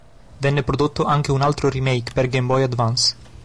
Venne prodotto anche un altro remake per Game Boy Advance.